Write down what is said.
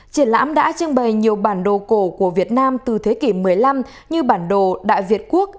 triển lãm đã trưng bày nhiều bản đồ cổ của việt nam từ thế kỷ một mươi năm như bản đồ đại việt quốc